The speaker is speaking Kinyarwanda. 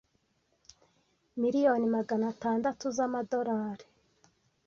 Miliyoni magana tandatu z’amadorale.